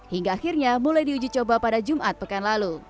hingga akhirnya mulai diuji coba pada jumat pekan lalu